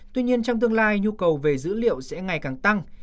tuy nhiên trong tương lai nhu cầu về dữ liệu sẽ ngày càng tăng